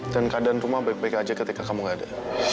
dan keadaan rumah baik baik aja ketika kamu gak ada